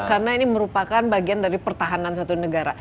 karena ini merupakan bagian dari pertahanan satu negara